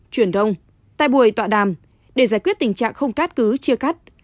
truyền đông tai bùi tọa đàm để giải quyết tình trạng không cát cứ chia cắt